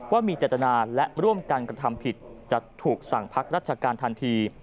ว่ามีเจตนาและร่วมกันกระทำผิดจะถูกสั่งพักราชการทันที